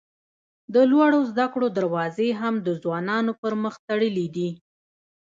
د لوړو زده کړو دروازې هم د ځوانانو پر مخ تړلي دي.